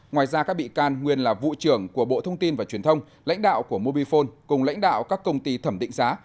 ngoài ra các bị can nguyên là vụ trưởng của bộ thông tin và truyền thông lãnh đạo của mobifone cùng lãnh đạo các công ty thẩm định giá